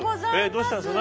どうしたんです？